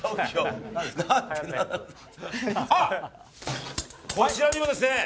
あちらにもですね